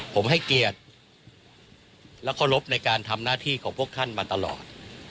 ผมให้เกียรติและเคารพในการทำหน้าที่ของพวกท่านมาตลอด